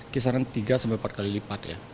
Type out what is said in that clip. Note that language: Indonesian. kisaran tiga sampai empat kali lipat ya